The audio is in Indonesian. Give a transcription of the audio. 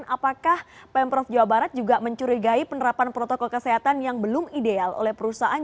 apakah pemprov jawa barat juga mencurigai penerapan protokol kesehatan yang belum ideal oleh perusahaan